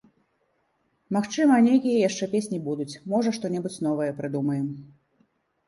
Магчыма, нейкія яшчэ песні будуць, можа, што-небудзь новае прыдумаем.